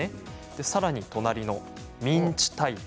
さらに隣のミンチタイプ。